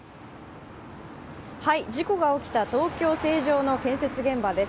事故が起きた東京・成城の建設現場です。